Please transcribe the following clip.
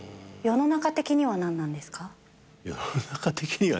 世の中的には何なんだろうね？